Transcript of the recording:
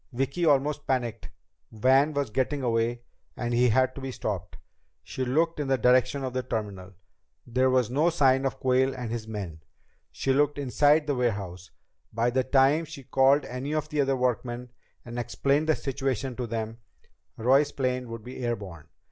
Vicki almost panicked. Van was getting away and he had to be stopped! She looked in the direction of the terminal. There was no sign of Quayle and his men. She looked inside the warehouse. By the time she called any of the other workmen and explained the situation to them, Roy's plane would be air borne.